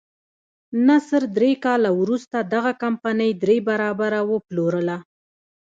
نصر درې کاله وروسته دغه کمپنۍ درې برابره وپلورله.